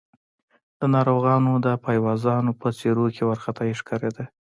د ناروغانو د پيوازانو په څېرو کې وارخطايي ښکارېده.